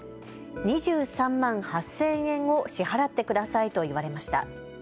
２３万８０００円を支払ってくださいと言われました。